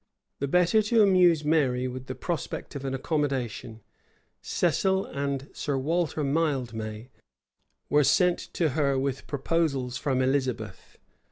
The better to amuse Mary with the prospect of an accommodation, Cecil and Sir Walter Mildmay were sent to her with proposals from Elizabeth.